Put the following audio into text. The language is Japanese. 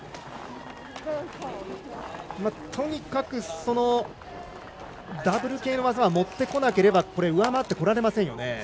とにかく、ダブル系の技は持ってこなければ上回ってこられませんよね。